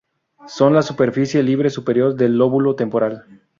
Son la superficie libre superior del lóbulo temporal.